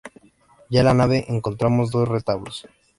Ya en la nave, encontramos dos retablos.